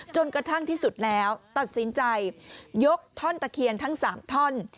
จนกระทั่งที่สุดแล้วตัดสินใจยกท่อนตะเคียนทั้ง๓ท่อน